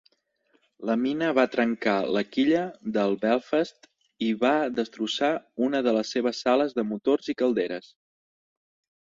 La mina va trencar la quilla del "Belfast" i va destrossar una de les seves sales de motors i calderes.